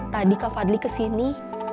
tadi kak fadli kesini